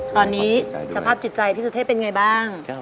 ตอนนี้สภาพจิตใจพี่สุเทพเป็นไงบ้าง